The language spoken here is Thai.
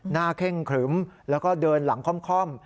เข้งขรึมแล้วก็เดินหลังค่อม